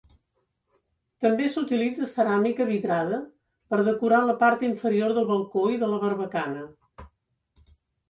També s'utilitza ceràmica vidrada per decorar la part inferior del balcó i de la barbacana.